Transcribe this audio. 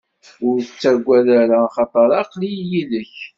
Ur ttagad ara, axaṭer aql-i yid-k.